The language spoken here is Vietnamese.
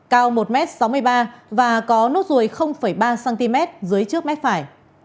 cao một m sáu mươi ba và có nốt ruồi ba cm dưới trước mép phải